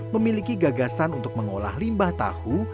memiliki gagasan untuk mengolah limbah tahu